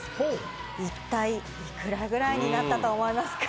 一体、いくらぐらいになったと思いますか？